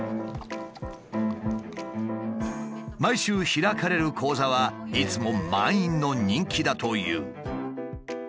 毎週開かれる講座はいつも満員の人気だという。